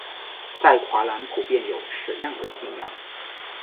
在华南普遍有此样的信仰。